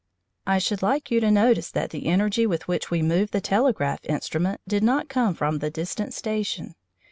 I should like you to notice that the energy with which we moved the telegraph instrument did not come from the distant station.